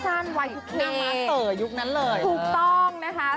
วัยยุคหน้าม้าเต๋อยุคนั้นเลยถูกต้องนะคะ